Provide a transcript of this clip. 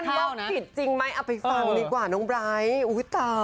วันนี้เป็นโรคจิตห์จริงไหมไปฟังดีกว่าน้องไบร์ส